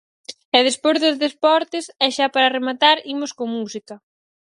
E despois dos deportes, e xa para rematar, imos con música.